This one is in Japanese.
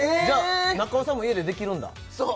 中尾さんも家でできるんだ